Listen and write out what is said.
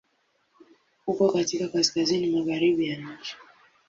Uko katika Kaskazini magharibi ya nchi.